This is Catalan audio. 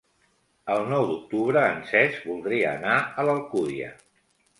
El nou d'octubre en Cesc voldria anar a l'Alcúdia.